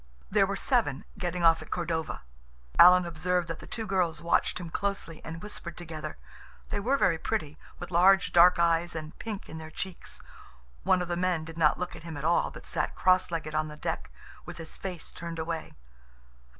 There were seven, getting off at Cordova. Alan observed that the two girls watched him closely and whispered together. They were very pretty, with large, dark eyes and pink in their cheeks. One of the men did not look at him at all, but sat cross legged on the deck, with his face turned away.